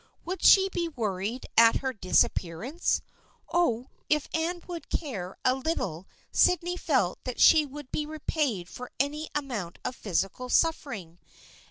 Would she be worried at her disappearance ? Oh, if Anne would only care a lit tle Sydney felt that she would be repaid for any amount of physical suffering